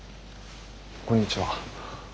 こんにちは。